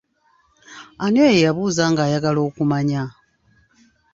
Ani oyo eyabuuza ng'ayagala okumanya?